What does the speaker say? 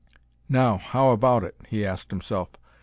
"Now, how about it?" he asked himself.